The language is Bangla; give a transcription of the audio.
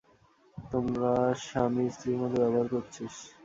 তোরা স্বামী স্ত্রীর মতো ব্যবহার করছিস।